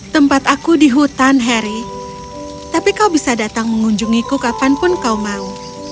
tempat aku di hutan harry tapi kau bisa datang mengunjungiku kapanpun kau mau